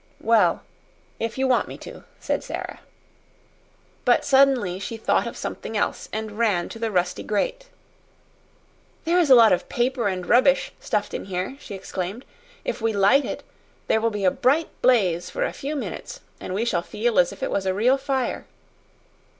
"Well, if you want me to," said Sara. But suddenly she thought of something else and ran to the rusty grate. "There is a lot of paper and rubbish stuffed in here!" she exclaimed. "If we light it, there will be a bright blaze for a few minutes, and we shall feel as if it was a real fire."